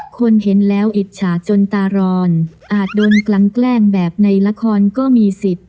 คนเห็นแล้วอิจฉาจนตารอนอาจโดนกลั้งแกล้งแบบในละครก็มีสิทธิ์